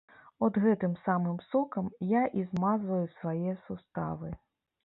От гэтым самым сокам я і змазваю свае суставы.